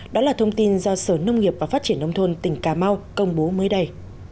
đó là thông tin do sở nông nghiệp và phát triển nông thôn tỉnh cà mau công bố mới đây